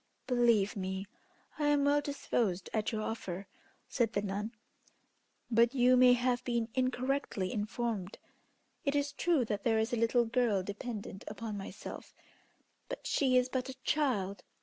"Believe me, I am well disposed at your offer," said the nun; "but you may have been incorrectly informed. It is true that there is a little girl dependent upon myself, but she is but a child.